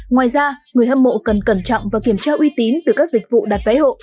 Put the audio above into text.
ngoài ra người hâm mộ cần cẩn trọng và kiểm tra uy tín từ các dịch vụ đặt vé hộ